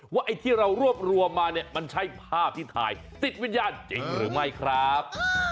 ไอ้ที่เรารวบรวมมาเนี่ยมันใช่ภาพที่ถ่ายติดวิญญาณจริงหรือไม่ครับ